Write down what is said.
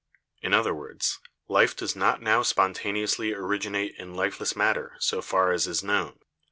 In other words, life does not now spontaneously originate in lifeless matter so far as is known.